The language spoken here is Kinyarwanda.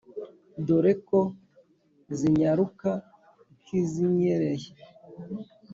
Dore ko zinyaruka nk'izinyereye